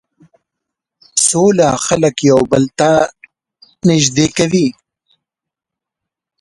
سوله خلک یو بل ته نژدې کوي.